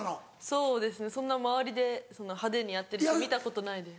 そうですね周りでそんな派手にやってる人見たことないです。